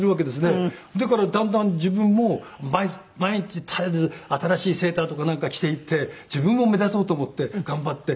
だからだんだん自分も毎日絶えず新しいセーターとかなんか着て行って自分も目立とうと思って頑張って。